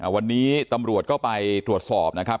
วันนี้ตำรวจก็ไปตรวจสอบนะครับ